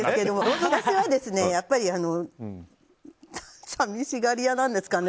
私は寂しがり屋なんですかね。